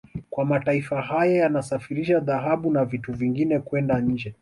Kwani mataifa haya yanasafirisha dhahabu na vitu vingine kwenda nje